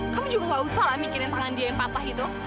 kamu juga gak usah lah mikirin tangan dia yang patah itu